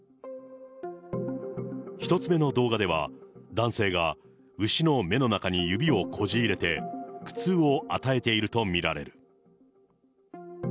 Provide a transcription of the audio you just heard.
１つ目の動画では、男性が牛の目の中に指をこじ入れて、苦痛を与えていると見られる。